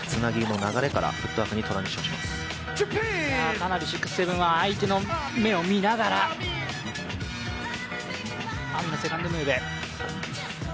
かなり６７１、相手の目を見ながら、ＡＭＩのセカンドムーブ。